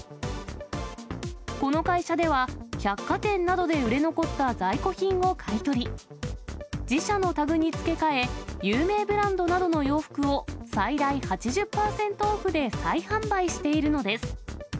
この会社では、百貨店などで売れ残った在庫品を買い取り、自社のタグに付け替え、有名ブランドなどの洋服を最大８０％オフで再販売しているのです。